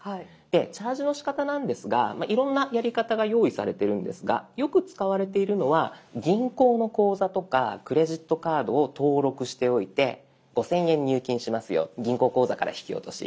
チャージのしかたなんですがいろんなやり方が用意されてるんですがよく使われているのは銀行の口座とかクレジットカードを登録しておいて「５，０００円入金しますよ銀行口座から引き落とし」